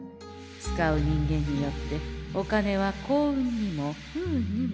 使う人間によってお金は幸運にも不運にもなる。